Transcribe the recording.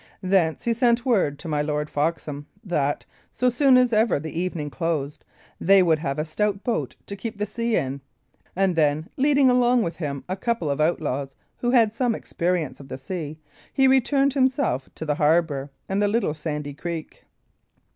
Thence he sent word to my Lord Foxham that, so soon as ever the evening closed, they would have a stout boat to keep the sea in. And then leading along with him a couple of outlaws who had some experience of the sea, he returned himself to the harbour and the little sandy creek.